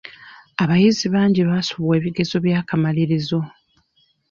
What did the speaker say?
Abayizi bangi abaasubwa ebigezo by'akamalirizo.